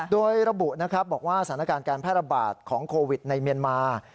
โดยระบุนะครับบอกว่าสถานการณ์การแพร่ระบาดของโควิดในเมียนมา